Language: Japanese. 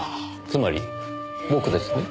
つまり僕ですね？